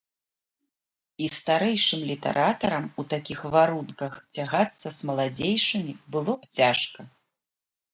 І старэйшым літаратарам у такіх варунках цягацца з маладзейшымі было б цяжка.